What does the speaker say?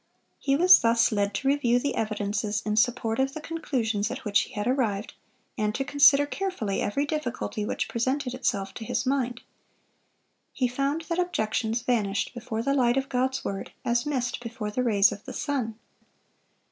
He was thus led to review the evidences in support of the conclusions at which he had arrived, and to consider carefully every difficulty which presented itself to his mind. He found that objections vanished before the light of God's word, as mist before the rays of the sun.